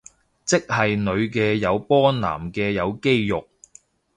即係女嘅有波男嘅有肌肉